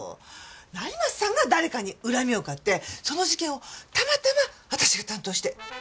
成増さんが誰かに恨みを買ってその事件をたまたま私が担当して。